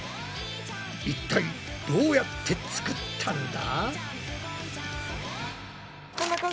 いったいどうやって作ったんだ？